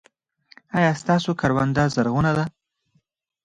ایا ستاسو کرونده زرغونه ده؟